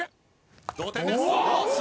同点です。